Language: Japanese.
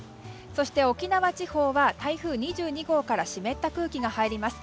そして沖縄地方は台風２２号から湿った空気が入ります。